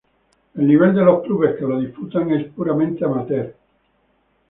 El nivel de los clubes que lo disputan es puramente amateur.